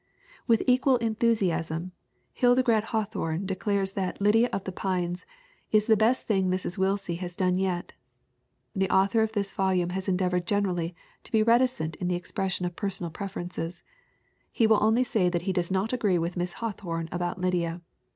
With equal enthusiasm Hildegarde Hawthorne de 3$o THE WOMEN WHO MAKE OUR NOVELS clares that Lydia of the Pines "is the best thing Mrs. Willsie has yet done." The author of this volume has endeavored generally to be reticent in the expression of personal preferences. He will only say that he does not agree with Miss Hawthorne about Lydia.